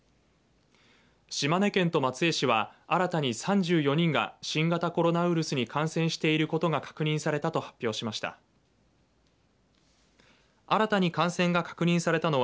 島根県と松江市は新たに３４人が新型コロナウイルスに感染していることが確認されたと発表しました。